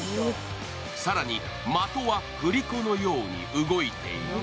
更に的は振り子のように動いている。